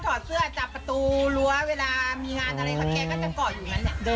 ชอบถอดเสื้อจับประตูรั้วเวลามีงานอะไรเค้าก็จะเกาะอยู่อย่างนั้น